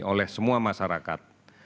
oleh semua masyarakat